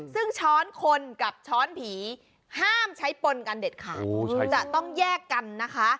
ซึ่งช้อนคนกับช้อนผีห้ามใช้ปนกันเด็ดขาดจะต้องแยกกันนะคะ